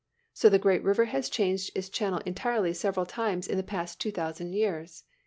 So the great river has changed its channel entirely several times in the past two thousand years.